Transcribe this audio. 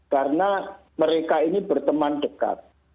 karena mereka ini berteman dekat